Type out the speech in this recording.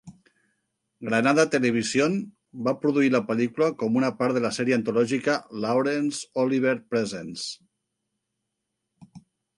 Granada Television va produir la pel·lícula com una part de la sèrie antològica "Laurence Olivier Presents".